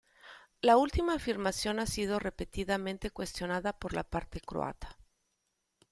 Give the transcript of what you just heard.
La última afirmación ha sido repetidamente cuestionada por la parte croata.